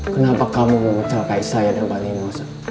kenapa kamu mengejalkai saya dan panino